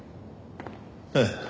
ええ。